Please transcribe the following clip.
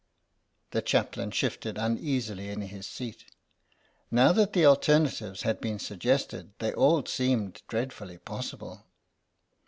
The Chaplain shifted uneasily in his seat. Now that the alternatives had been suggested they all seemed dreadfully possible.